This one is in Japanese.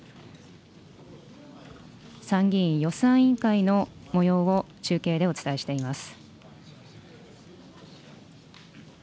参議院予算委員のもようを中継でお伝えしています。